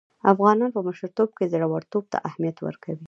افغانان په مشرتوب کې زړه ورتوب ته اهميت ورکوي.